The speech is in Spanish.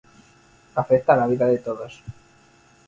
Afecta a la vida de todos.